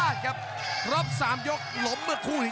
สนุกเกรงเกรงครับคู่นี้